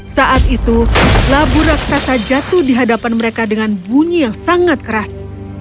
saat itu labu raksasa jatuh di hadapan mereka dengan bunyi yang sangat keras